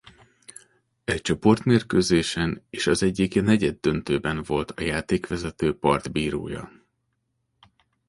Egy csoportmérkőzésen és az egyik negyeddöntőben volt a játékvezető partbírója.